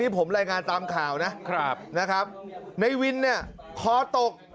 นี่ผมรายงานตามข่าวนะครับนะครับในวินเนี่ยค้อตก